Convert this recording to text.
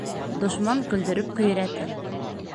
Дошман көлдөрөп көйрәтер.